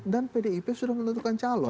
dan pdip sudah menentukan calon